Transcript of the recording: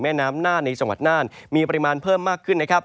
แม่น้ำน่านในจังหวัดน่านมีปริมาณเพิ่มมากขึ้นนะครับ